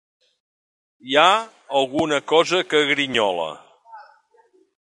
Hi ha alguna cosa que grinyola.